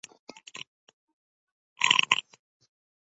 Bu siyosatimizdagi navbatdagi xatomi yoki tarixiy zarurat?